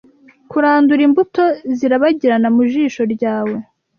Kurandura imbuto zirabagirana mu jisho ryawe;